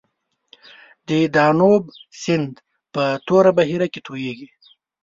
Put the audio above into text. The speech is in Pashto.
د دانوب سیند په توره بحیره کې تویږي.